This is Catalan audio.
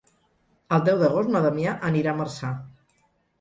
El deu d'agost na Damià anirà a Marçà.